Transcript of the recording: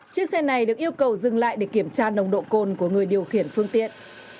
chiếc xe này được yêu cầu dừng lại để kiểm tra nồng độ cồn của người điều khiển phương tiện